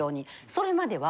それまでは。